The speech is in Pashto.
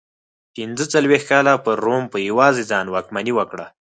پنځه څلوېښت کاله پر روم په یوازې ځان واکمني وکړه.